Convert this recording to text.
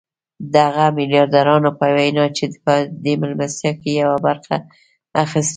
د هغو ميلياردرانو په وينا چې په دې مېلمستيا کې يې برخه اخيستې وه.